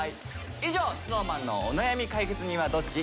以上「ＳｎｏｗＭａｎのお悩み解決人はどっち？